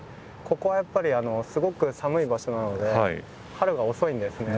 ここはやっぱりすごく寒い場所なので春が遅いんですね。